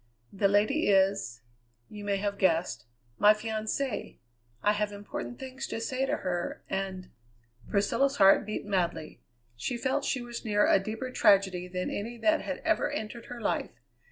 "The lady is you may have guessed my fiancée. I have important things to say to her, and " Priscilla's heart beat madly. She felt she was near a deeper tragedy than any that had ever entered her life.